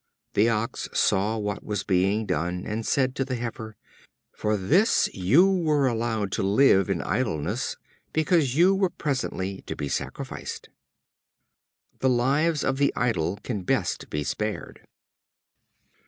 The Ox saw what was being done, and said to the Heifer: "For this you were allowed to live in idleness, because you were presently to be sacrificed." The lives of the idle can best be spared.